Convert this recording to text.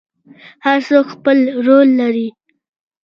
هر څوک خپل رول لري